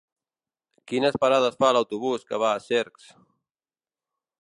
Quines parades fa l'autobús que va a Cercs?